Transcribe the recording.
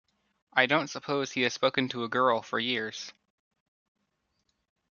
I don't suppose he has spoken to a girl for years.